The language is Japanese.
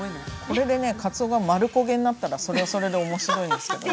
これでねかつおが丸焦げになったらそれはそれで面白いんですけどね。